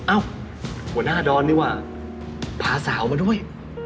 หัวหน้าดอนนี่ว่ะพาสาวมาด้วย